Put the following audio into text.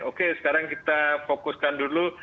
oke sekarang kita fokuskan dulu